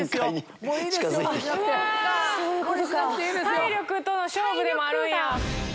体力との勝負でもあるんや。